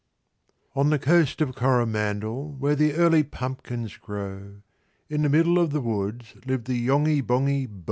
On the Coast of Coromandel, Where the early pumpkins grow, In the middle of the woods Lived the Yonghy Bonghy Bò.